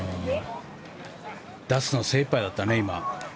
出すの精いっぱいだったね。